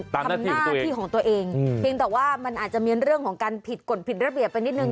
ทำหน้าที่ของตัวเองเพียงแต่ว่ามันอาจจะมีเรื่องของการผิดกฎผิดระเบียบไปนิดนึ